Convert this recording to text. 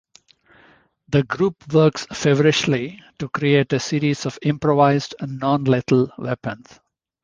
The group works feverishly to create a series of improvised, non-lethal weapons.